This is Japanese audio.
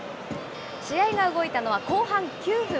試合が動いたのは後半９分。